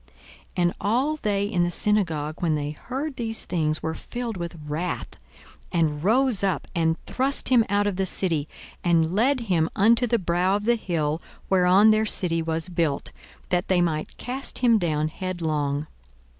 42:004:028 And all they in the synagogue, when they heard these things, were filled with wrath, 42:004:029 And rose up, and thrust him out of the city, and led him unto the brow of the hill whereon their city was built, that they might cast him down headlong.